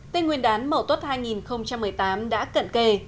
tên nguyên đán mẫu tốt hai nghìn một mươi tám đã cận kề